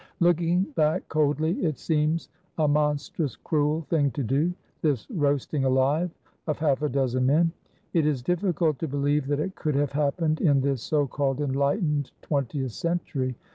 Looking back, coldly, it seems a monstrous cruel thing to do — this roasting alive of half a dozen men. It is difiicult to believe that it could have happened in this so called enlightened twentieth century.